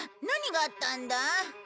何があったんだ？